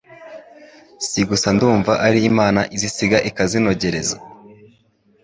Si gusa ndumva ari Imana izisiga ikazinogereza!